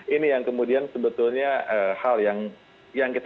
ini yang kemudian sebetulnya hal yang kita sayangkan ya